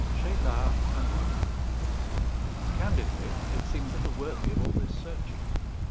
CHEYLARD AND LUC Candidly, it seemed little worthy of all this searching.